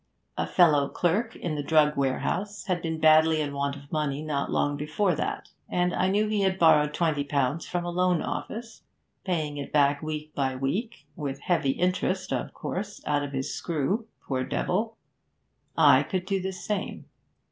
'A fellow clerk in the drug warehouse had been badly in want of money not long before that, and I knew he had borrowed twenty pounds from a loan office, paying it back week by week, with heavy interest, out of his screw, poor devil. I could do the same.